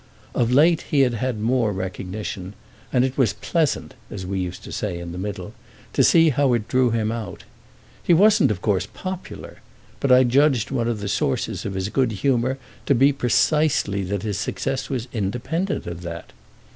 Of late he had had more recognition, and it was pleasant, as we used to say in The Middle, to see how it drew him out. He wasn't of course popular, but I judged one of the sources of his good humour to be precisely that his success was independent of that.